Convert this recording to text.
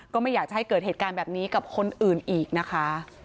ก็ไม่อยากจะให้เกิดเหตุการณ์แบบนี้กับคนอื่นอีกนะคะ